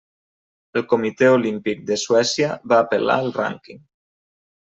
El Comitè Olímpic de Suècia va apel·lar el rànquing.